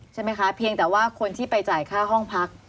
ใช่ไหมคะเพียงแต่ว่าคนที่ไปจ่ายค่าห้องพัก